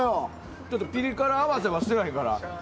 ちょっとピリ辛合わせはしてないから。